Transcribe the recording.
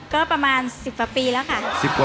ก็ประมาณ๑๐ปีแล้วค่ะ